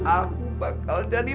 aku bakal jadi